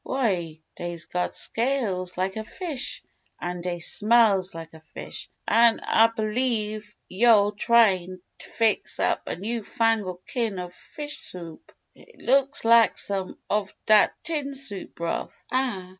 "Why, dey's got scales like a fish, an' dey smells like a fish, an' Ah b'lieve yo all tryin' t'fix up a new fangle kin' ov fish soup! It looks lak some ov dat tin soup broth!